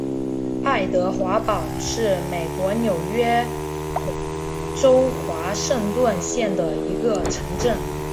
爱德华堡是美国纽约州华盛顿县的一个城镇。